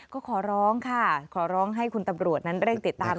ก็ขอร้องค่ะขอร้องให้คุณตำรวจนั้นเร่งติดตาม